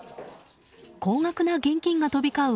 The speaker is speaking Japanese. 高額な現金が飛び交う